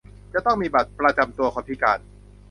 จะต้องมีบัตรประจำตัวคนพิการ